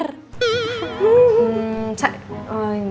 sa sa cantik banget sa aura keibuannya tuh langsung terpancar